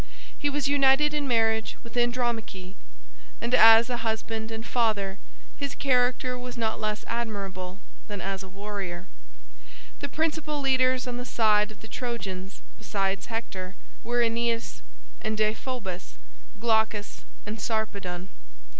He was united in marriage with Andromache, and as a husband and father his character was not less admirable than as a warrior. The principal leaders on the side of the Trojans, besides Hector, were Aeneas and Deiphobus, Glaucus and Sarpedon.